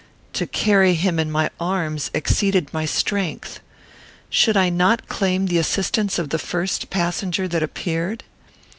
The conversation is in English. To carry him in my arms exceeded my strength. Should I not claim the assistance of the first passenger that appeared?